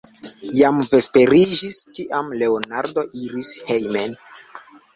Jam vesperiĝis, kiam Leonardo iris hejmen.